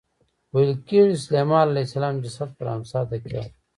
ویل کېږي د سلیمان علیه السلام جسد پر امسا تکیه و.